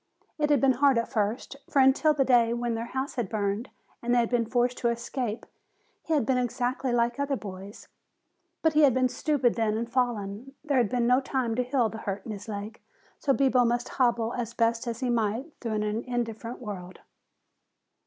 It had been hard at first, for until the day when their house had burned and they had been forced to escape, he had been exactly like other boys. But he had been stupid then and fallen. There had been no time to heal the hurt in his leg, so Bibo must hobble as best he might through an indifferent world.